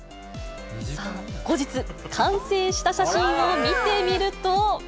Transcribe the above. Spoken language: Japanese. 後日、完成した写真を見てみると。